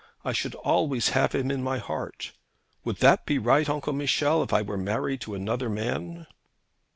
I should always have him in my heart. Would that be right, Uncle Michel, if I were married to another man?'